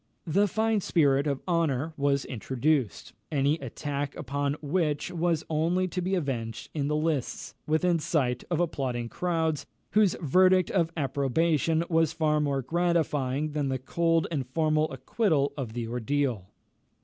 The fine spirit of honour was introduced, any attack upon which was only to be avenged in the lists, within sight of applauding crowds, whose verdict of approbation was far more gratifying than the cold and formal acquittal of the ordeal.